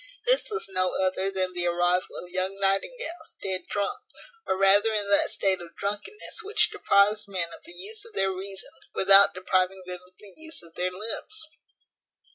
This was no other than the arrival of young Nightingale, dead drunk; or rather in that state of drunkenness which deprives men of the use of their reason without depriving them of the use of their limbs.